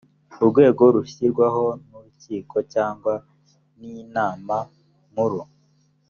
urwego rushyirwaho n urukiko cyangwa n inama nkuru